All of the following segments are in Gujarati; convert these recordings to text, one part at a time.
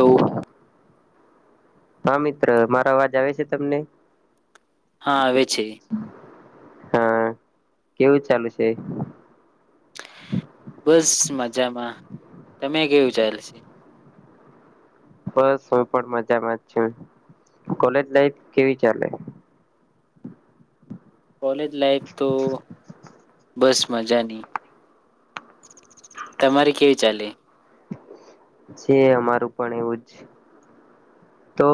તો હા મિત્ર મારો અવાજ આવે છે. તમને. હાવે છે. હા કેવું ચાલુ છે. બસ મજામાં તમે કેવું ચાલે છે. બસ હું પણ મજામાં છુ કોલેજ લાઈફ કેવી ચાલે. કોલેજ લાઈફ તો બસ મજાની તમારે કેવી ચાલે જે અમારું પણ એવું જ તો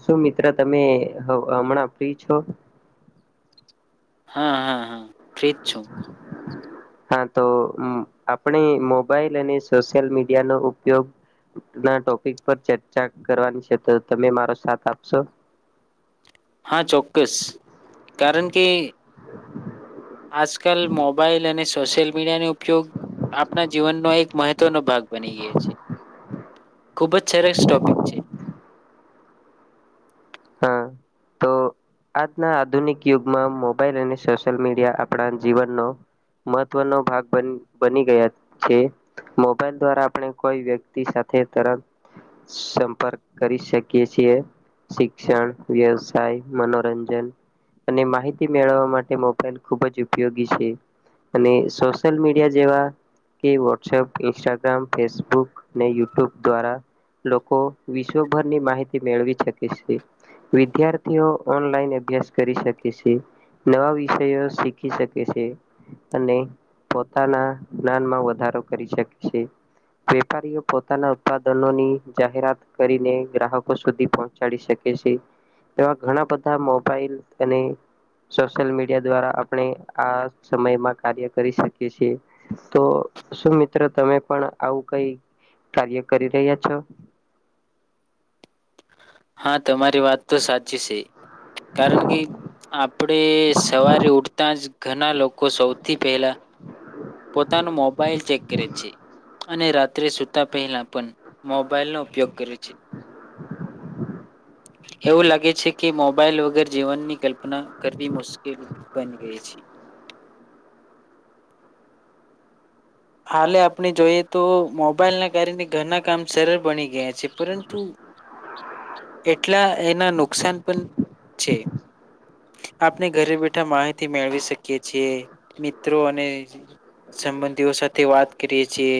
શું મિત્ર તમે હમણાં ફ્રી છો. હા હા હા. ફ્રીજ છું. હા તો આપણે મોબાઈલ અને સોશિયલ મીડિયાનોો ઉપયોગ ના ટોપિક પર ચર્ચા કરવાની છે તો તમે મારો સાથ આપશો. હા ચોક્કસ કારણ કે આજ કલ મોબાઈલ સોશિયલ મીડિયા ન ઉપયોગ આપણા જીવનનો એક મહત્વનો ભાગ બની ગયો છે. ખુબ જ સરરસ ટોપિક છે. હા તો આજના આધુનિક યુગમાં મોબાઈલ અને સોશિયલ મીડિયા આપણા જીવનનો મહત્વનો ભાગ બની ગયા છે મોબાઈલ દ્વારા આપણે કોઈ વ્યક્તિ સાથે તરત સંપર્ક કરી શકીએ છીએ શિક્ષણ વ્યવસાય મનોરંજન અને માહિતી મેળવવા માટે મોબાઈલ ખૂબ જ ઉપયોગી છે અને સોશિયલ મીડિયા જેવા કે વોટ્સઅપ ઇન્સ્ટાગ્રામ ફેસબુક અને યુટ્યુબ દ્વારા લોકો વિશ્વભરની માહિતી મેળવી શકે. વિદ્યાર્થીઓ ઓનલાઈન અભ્યાસ કરી શકે છે નવા વિષયો શીખી શકે છે અને પોતાના જ્ઞાનમાં વધારો કરી શકે છે વેપારીઓ પોતાના ઉત્પાદનોની જાહેરાત કરીને ગ્રાહકો સુધી પ ચડી શકી છે એવા ઘણા બધા મોબાઈલ અને સોશિયલ મીડિયા દ્વારા આપણે આ સમયમાં કાર્ય કરી શકી છીએ તો શું મિત્રો તમે પણ આવું કઈ કાર્ય કરી રહ્યા છો. હા તમારી વાત તો સાચી છે. કારણ કે આપણેે સવારે ઉઠતા જ ઘણા લોકો સૌથી પહેલા પોતાનો મોબાઈલ ચેક કરે છે અને રાત્રે સુતા પહેલા પણ મોબાઈલનો ઉપયોગ કરે છે એવું લાગે છે કે મોબાઈલ વગર જીવનની કલ્પના કરવી મુશ્કેલ બની ગઈ છે. હાલે આપણે જોઈએ તો મોબાઈલ ના કારણે ઘરના કામ સરળ બની ગયા છે પરંતુ એટલા એના નુકસાન પણ છે આપણે ઘરે બેઠા માહિતી મેળવી શકીએ છીએ મિત્રો અને સંબંધીઓ સાથે તે વાત કરીએ છીએ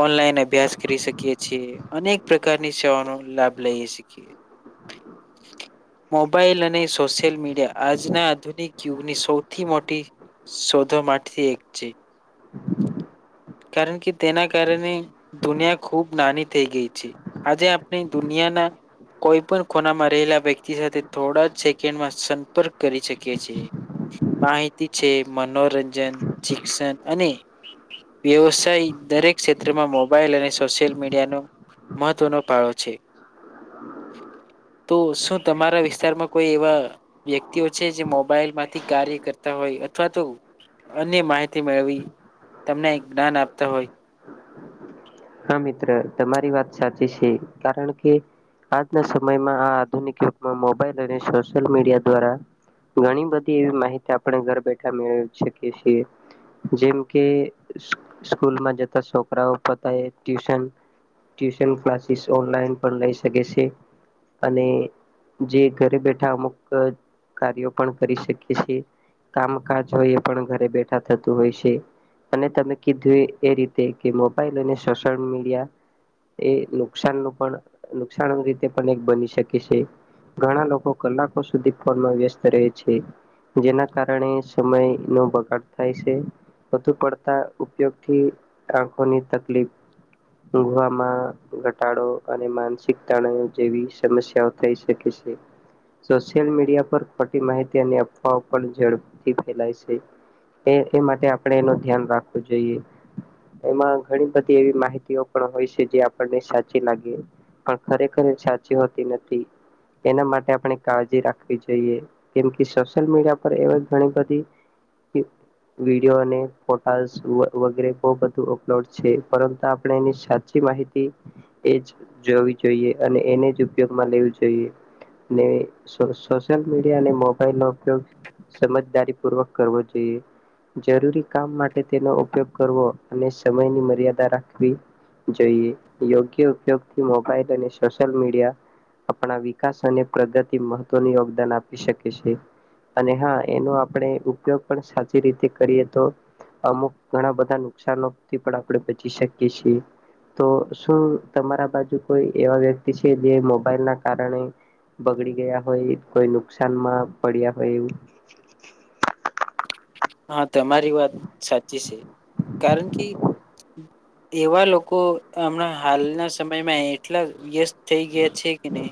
ઓનલાઈન અભ્યાસ કરી શકીએ છીએ અનેક પ્રકારની સેવાનો લાભ લઈ શકીએ મોબાઈલ અને સોશિયલ મીડિયા આજના આધુનિક યુગની સૌથી મોટી શોધો માટેથી એક છે. કારણ કે તેના કારણે દુનિયા ખૂબ નાની થઈ ગઈ છે આજે આપણે દુનિયાના કોઈ પણ ખોનામાં રહેલા વ્યક્તિ સાથે થોડા જ સેકન્ડમાં સંપર્ક કરી શકીએ છીએ માહિતી છે મનોરંજન શિક્ષણ અને વ્યવસાય દરેક ક્ષેત્રમાં મોબાઈલ અને સોશિયલ મીડિયાનો મહત્વનો પળો છે તો શું તમારા વિસ્તારમાં કોઈ એવા વ્યક્તિઓ છે જે મોબાઈલ માંથી કાર્ય કરતા હોય અથવા તો અન્ય માહિતી મેળવી તમને જ્ઞાન આપતા હોય. હા મિત્ર તમારી વાત સાચી છે કારણ કે આજના સમયમાં આ આધુનિક યુગમાં મોબાઈલ અને સોશિયલ મીડિયા દ્વારા ઘણી બધી એ માહિતી આપણે ઘર બેઠા મેળવી શકી છી જેમ કે સ્કૂલમાં જતા છોકરાઓ. કરે ટ્યુશન ટ્યુશન ક્લાસીસ ઓનલાઈન પણ લઈ શકે છે અને જે ઘરે બેઠા અમુક કાર્યો પણ કરી શકે છે કામકાજ હોય એ પણ ઘરે બેઠા થતું હોય છે અને તમે કીધું એ રીતે કે મોબાઈલ અને સોશિયલ મીડિયા એ નુકસાન નુ પણ નુકસાન રીતે પણ એક બની શકે છે ઘણા લોકો કલાકો સુધી ફોનમાં વ્યસ્ત રહે છે જેના કારણે સમય નો બગાડ થાય છે વધુ પડતા ઉપયોગથી આંખોની તકલીફ દુરવામાં ઘટાડો અને માનસિક તણાવ જેવી સમસ્યાઓ થઈ શકે છે સોશિયલ મીડિયા પર ખોટી માહિતી અને અફવાઓ પણ ઝડપથી ફેલાય છે એ માટે આપણે એનું ધ્યાન રાખવુ જોઈએ એમાં ઘણીબ તી માહિતીઓ પણ હોય છે જે આપણને સાચી લાગે પણ ખરેખર સાચી હોતી નથી તેના માટે આપણે કાજી રાખવી જોઈએ કેમ કે સોશિલ મીડિયા પર એણી બધી વિડીયો અને ફોટાશ વગરે બહુ બધું અપલોડ છે. પરતા આપડે એની સાચી માહિતી એ જ જોવી જોઈએ અને એને જ ઉપયોગમાં લેવી જોઈએ ને સોશિયલ મીડિયા અને મોબાઈલ નો ઉપયોગ સમજદારી પૂર્વક કરવો જોઈએ જરૂરી કામ માટે તેનો ઉપયોગ કરવો અને સમયની મર્યા દા રાખવી જોઈએ યોગ્ય ઉપયોગથી મોબાઈલ અને સોશિયલ મીડિયા આપણા વિકાસ અને પ્રગતિ મહત્વનું યોગદાન આપી શકે છે અને હા એનો આપણે ઉપયોગ પણ સાચી રીતે કરીએ તો અમુક ઘણા બધા નુકસાનોથી આપડે બ ચી શકીએ છે તો શું તમારા બાજુ કોઈ એવા વ્યક્તિ છે જે મોબાઈલ ના કારણે બગડી ગયા હોય કોઈ નુકસાનમાં પડ્યા હોય એવું. હા તમારી વાત સાચી છે કારણ કે એવા લોકો હમણાં હાલના સમયમાં એટલા વ્યસ્ત થઈ ગયા છે કેને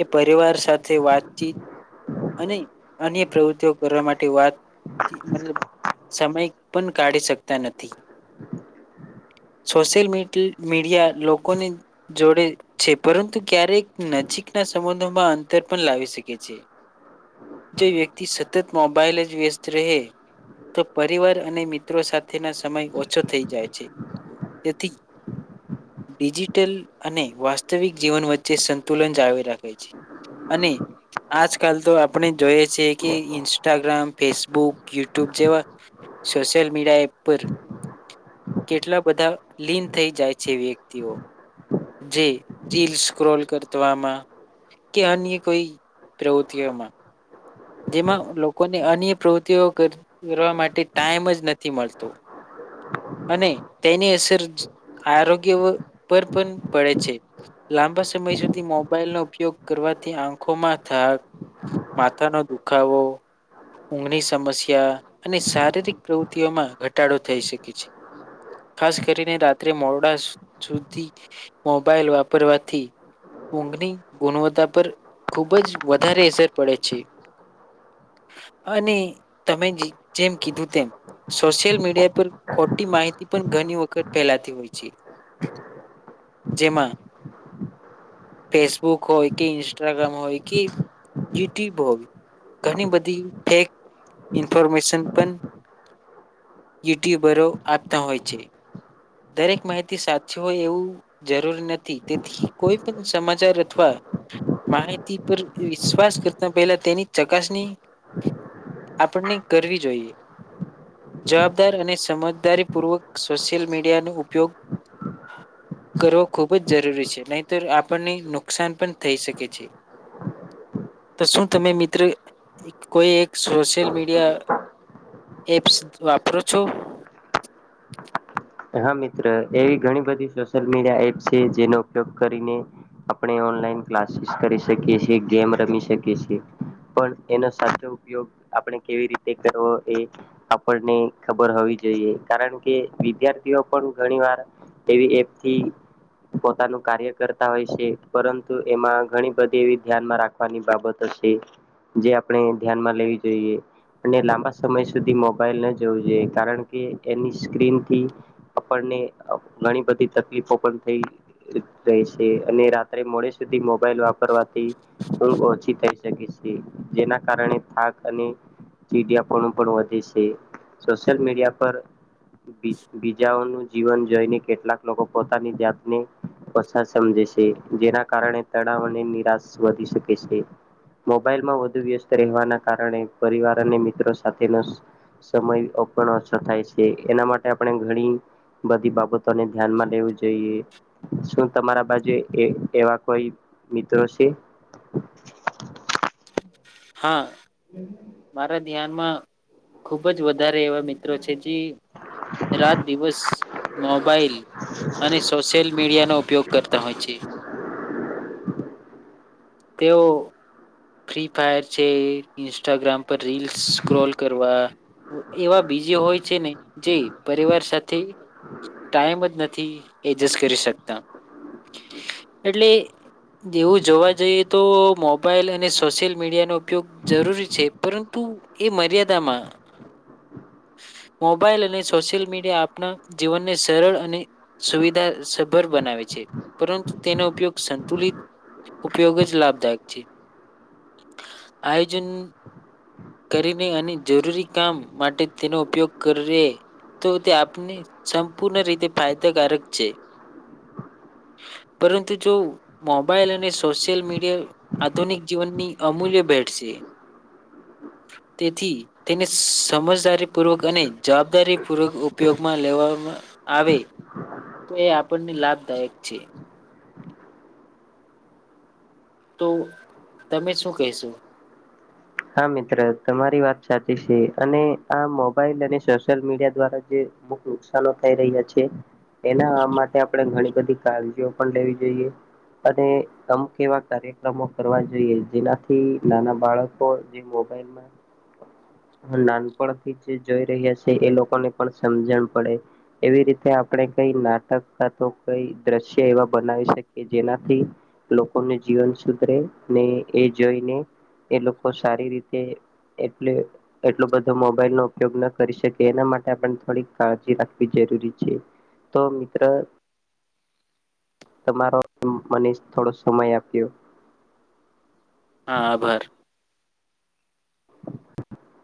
એ પરિવાર સાથે વાતચીત અને અન્ય પ્રવૃતિઓ કરવા માટે વાત થી મતલબ સમય પન કાઢી શકતા નથી સોશિયલ મિટી મીડિયા લોકોને જોડે છે પરંતુક્યારેક નજીકના સબંધોમાં અંતર પણ લાવી શકે છે. જો વ્યક્તિ સતત મોબાઈલ જ વ્યસ્ત રહે તો પરિવાર અને મિત્રો સાથેના સમય ઓછો થઈ જાય છે તેથી ડિજિટલ અને વાસ્તવિક જીવન વચ્ચે સંતુલન જાળવી રાખે છે અને આજ કાલ તો આપણે જોઈએ છે કે ઇન્સ્ટાગ્રામ, ફેસબુક, યુટ્યુબ જેવા સોશિયલ મીડિયા એપ પર કેટલા બધા લિન થઈ જાય છે વ્યક્તિઓ. જે રીલ સ્ક્રોલ કરતવામાં કે અન્ય કોઈ પ્રવૃત્તિઓમાં. જેમાં લોકોને અન્ય પ્રવૃત્તિઓ કરવા માટે ટાઈમ જ નથી મળતો અને તેની અસર આરોગ્ય પર પન પડે છે લાંબા સમય સુધી મોબાઈલનો ઉપયોગ કરવાથી આંખોમાં થાક મા થાનો દુખાવો ઊંઘની સમસ્યા અને શારીરિક પ્રવૃત્તિઓમાં ઘટાડો થઈ શકે છે ખાસ કરીને રાત્રે મોડા સુધી મોબાઈલ વાપરવાથી ઊંઘની ગુણવત્તા પર ખુબ જ વધારે અસર પડે છે. અને તમે જે જેમ કીધું તેમ સોશિયલ મીડિયા પર ખોટી માહિતી પણ ઘણી વખત ફેલાતી હોય છે જેમાં ફેસબુક હોય કે ઇન્સ્ટાગ્રામ હોય કે યુટ્યુબ હોય ઘણી બધી ફેક ઇન્ફોર્મેશન પન યુટ્યુબરો આપતા હોય છે. દરેક માહિતી સાચી હોય એવું જરૂરી નથી તેથી કોઈ પન સમાચાર અથવા માહિતી પર વિશ્વાસ કરતા પહેલા તેની ચકાસની આપણને કરવી જોઈએ જવાબદાર અને સમજદારી પૂર્વક સોશિયલ મી ડિયાનો ઉપયોગ કરવો ખૂબ જ જરૂરી છે નહી તર આપણને નુકસાન પણ થઈ શકે છે તો શું તમે મિત્ર કોઈ એક સોશિયલ મીડિયા એપ્સ વાપરો છો? હા મિત્ર એવી ઘણી બધી સોશિયલ મીડિયા એપ છે જેનો ઉપયોગ કરીને આપણે ઓનલાઈન ક્લાસીસ કરી શકીએ છીએ ગેમ રમી શકીએ છીએ પણ એનો સાચો ઉપયોગ આપણે કેવી રીતે કરવો એ આપણને ખબર હોવી જોઈએ કારણ કે વિધ્યા ર્થીઓ પણ ઘણી વાર એવી એપથી પોતાનું કાર્ય કરતા હોય છે પરંતુ એમાં ઘણી બધી એવી ધ્યાનમાં રાખવાની બાબતો છે જે આપણે ધ્યાનમાં લેવી જોઈએ અને લાંબા સમય સુધી મોબાઈલ ન જોવું જોઈએ કારણ કે એની સ્ક્રીનથી આપણને ઘણી બધી તકલીફો પણ થઈ રહી છે અને રાત્રે મોડે સુધી મોબાઈલ વાપરવાથી ઊઘ ઓછી થઈ શકે છે જેના કારણે થાક અને ચીડિયાપણું પણ વધે છે સોશિયલ મીડિયા પર બીજાઓનું જીવન જોઈને કેટલાક લોકો પોતાની જાતને ઓછા સમજે છે જેના કારણે તણાવ અને નિરાશ વધી શકે છે મોબાઈલમાં વધુ વ્યસ્ત રહેવાના કારણે પરિવાર અને મિત્રો સાથેનો સમય ઓછો થાય છે એના માટે આ પણે ઘણી બધી બાબતોને ધ્યાનમાં લેવું જોઈએ શું તમારા બાજુ એ એવા કોઈ મિત્રો છે? હા. મારા ધ્યા માં ખુબ જ વધારે એવા મિત ત્રો જે રાત દિવસ મોબાઈલ અને સોશિયલ મીડિયાનો ઉપયોગ કરતા હોય છે. તેઓ ફ્રી ફાયર છે ઇન્સ્ટાગ્રામ પર રીલસ સ્ક્રોલ કરવા એવા બીજી હોય છે ને જે પરિવાર સાથે ટાઈમ જ નથી એડજસ્ટ કરી શકતા એટલે એવું જોવા જઈએ તો મોબાઈલ અને સોશિયલ મીડિયાનો ઉપયોગ જરૂરી છે પરંતુ એ મર્યાદામાં મોબાઈલ અને સોશિયલ મીડિયા આપણા જીવનને સરળ અને સુવિધાસભર બનાવે છે પરંતુ તેનો ઉપયોગ સંતુલિત ઉપયોગજ જ લાભદાયક છે આયોજન કરીને અને જરૂરી કામ માટે તેનો ઉપયોગ કરે તો તે આપને સંપૂર્ણ રીતે ફાયદાકારક છે પરંતુ જો મોબાઈલ અને સોશિયલ મીડિયા આધુનિક જીવનની અમૂલ્ય ભેટ છે. તેથી તેને સમજદારીપૂર્વક અને જવાબદારી પૂર્વક ઉપયોગમાં લેવામાં આવે. તો એ આપણને લાભદાયક છે. તો તમે શું કહેશો? હા મિત્ર તમારી વાત સાચી છે અને આ મોબાઈલ અને સોશિયલ મીડિયા દ્વારા જે અમુક નુકસાનો થઈ રહ્યા છે. એના માટે આપણે ઘણી બધી કાળજીઓ પણ લેવી જોઈએ અને અમુક એવા કાર્યક્રમો કરવા જોઈએ જેનાથી નાના બાળક કો જે મોબાઈલ નાનપણથી જે જોઈ રહ્યા છે એ લોકોને પણ સમજણ પડે એવી રીતે આપણે કઈ નાટક કા તો કઈ દ્રશ્ય એવા બનાવી શકીએ જેનાથી લોકોનું જીવન સુધરે ને એ જોઈને એ લોકો સારી રીતે એટલે એટલો બધો મોબાઈલ નો ઉપયોગ ન કરી શકે એના માટે આપણ ને થોડી કાળજી રાખવી જરૂરી છે તો મિત્ર તમારો મને થોડો સમય આપ્યો. હા આભાર. [inaudible]